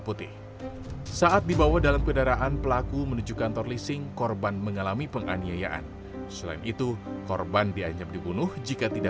ketika korban membawa barang menuju cikarang dengan pik apel yang berbeda